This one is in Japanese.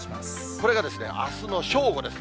これがあすの正午ですね。